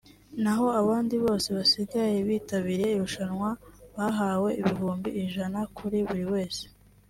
na ho abandi bose basigaye bitabiriye irushanwa bahawe ibihumbi ijana kuri buri wese